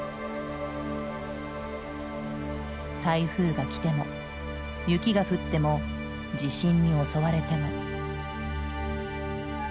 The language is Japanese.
台風がきても雪が降っても地震に襲われても。